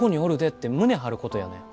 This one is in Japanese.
って胸張ることやねん。